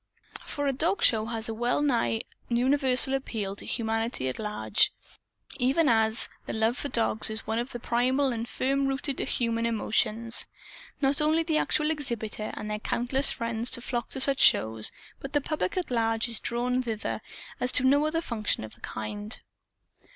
For a dogshow has a wel nigh universal appeal to humanity at large; even as the love for dogs is one of the primal and firm rooted human emotions. Not only the actual exhibitor and their countless friends flock to such shows; but the public at large is drawn thither as to no other function of the kind.